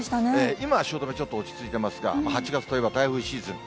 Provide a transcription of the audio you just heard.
今、汐留、ちょっと落ち着いてますが、８月といえば台風シーズン。